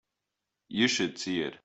You should see it.